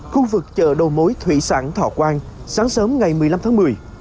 khu vực chợ đầu mối thủy sản thọc quan sáng sớm ngày một mươi năm tháng một mươi